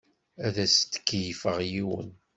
Ad as-d-keyyfeɣ yiwen.